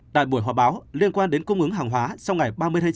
tại buổi họ báo liên quan đến cung ứng hàng hóa sau ngày ba mươi hai mươi chín